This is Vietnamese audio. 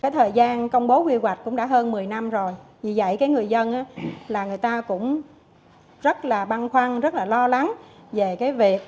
thời gian công bố quy hoạch cũng đã hơn một mươi năm rồi vì vậy người dân cũng rất băng khoăn rất lo lắng về việc